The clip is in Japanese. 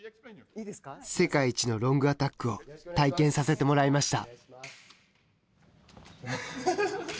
世界一のロングアタックを体験させてもらいました。